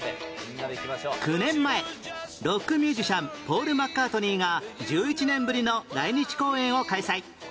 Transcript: ９年前ロックミュージシャンポール・マッカートニーが１１年ぶりの来日公演を開催